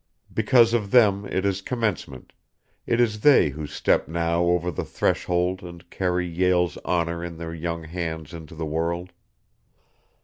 Because of them it is commencement, it is they who step now over the threshold and carry Yale's honor in their young hands into the world.